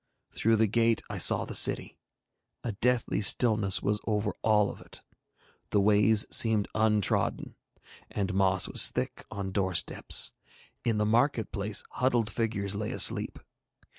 Through the gate I saw the city. A deathly stillness was over all of it. The ways seemed untrodden, and moss was thick on doorsteps; in the market place huddled figures lay asleep.